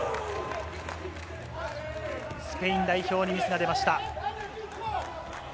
スペイン代表にミスが出ました。